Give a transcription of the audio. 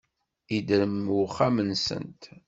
Yedrem uxxam-nsent.